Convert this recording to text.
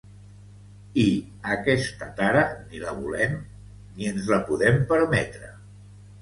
I aquesta tara ni la volem ni ens la podem permetre.